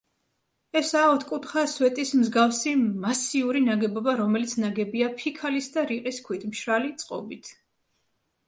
ესაა ოთხკუთხა სვეტის მსგავსი მასიური ნაგებობა, რომელიც ნაგებია ფიქალის და რიყის ქვით, მშრალი წყობით.